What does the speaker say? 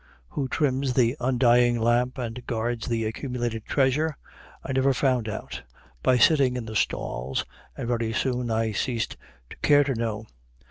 Who trims the undying lamp and guards the accumulated treasure? I never found out by sitting in the stalls; and very soon I ceased to care to know.